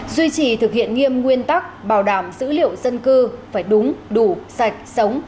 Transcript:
duy trì thực hiện nghiêm nguyên tắc bảo đảm dữ liệu dân cư phải đúng đủ sạch sống